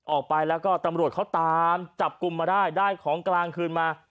ออกไปแล้วก็ตำรวจเขาตามจับกลุ่มมาได้ได้ของกลางคืนมา